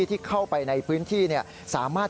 ที่เข้าไปในพื้นที่สามารถ